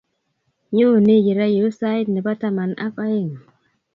Nyone yuu sait nebo taman ago aeng